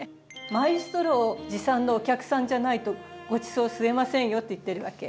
「マイストローを持参のお客さんじゃないとごちそう吸えませんよ」って言ってるわけ。